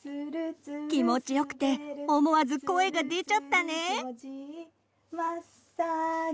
気持ちよくて思わず声が出ちゃったね。